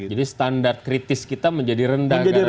jadi standar kritis kita menjadi rendah